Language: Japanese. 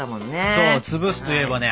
そうつぶすといえばね